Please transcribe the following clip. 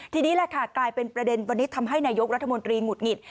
ทีนี้แหละค่ะกลายเป็นประเด็นวันนี้ทำให้นายกรัฐมนตรีหงุดหงิด